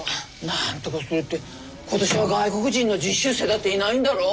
なんとかするって今年は外国人の実習生だっていないんだろ？